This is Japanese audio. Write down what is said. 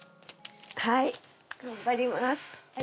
はい頑張りますええ